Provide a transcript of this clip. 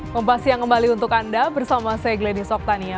kompasian kembali untuk anda bersama saya gladys oktania